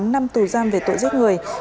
một mươi tám năm tù giam về tội giết người